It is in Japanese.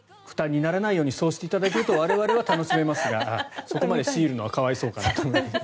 負担にならないようにそうしていただけると我々は楽しめますがそこまで強いるのは可哀想かなと。